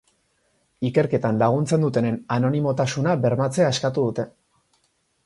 Ikerketan laguntzen dutenen anonimotasuna bermatzea eskatu dute.